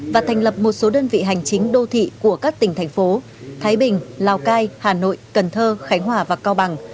và thành lập một số đơn vị hành chính đô thị của các tỉnh thành phố thái bình lào cai hà nội cần thơ khánh hòa và cao bằng